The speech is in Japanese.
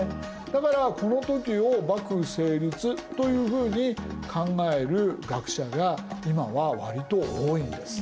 だからこの時を幕府成立というふうに考える学者が今は割と多いんです。